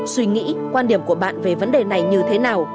suy nghĩ quan điểm của bạn về vấn đề này như thế nào